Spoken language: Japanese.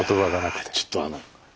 いやちょっとあの。